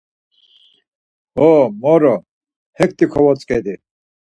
Ho, moro, hekti kovotzǩedi.